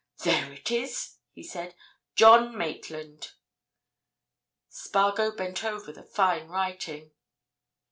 "There it is!" he said. "John Maitland." Spargo bent over the fine writing.